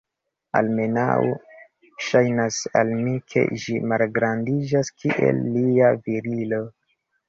Almenaŭ, ŝajnas al mi ke ĝi malgrandiĝas, kiel lia virilo.